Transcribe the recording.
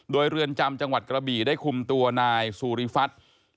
โดยเรือนจำจังหวัดกระบี่ได้คุมตัวนายสุริฟัฐ